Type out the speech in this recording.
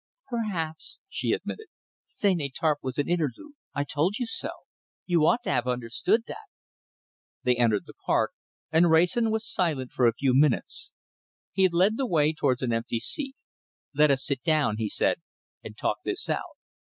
"Perhaps," she admitted. "St. Étarpe was an interlude. I told you so. You ought to have understood that." They entered the Park, and Wrayson was silent for a few minutes. He led the way towards an empty seat. "Let us sit down," he said, "and talk this out."